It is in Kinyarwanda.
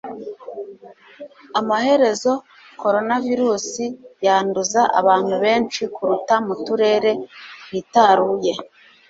amaherezo koronavirusi yanduza abantu benshi kuruta mu turere twitaruye.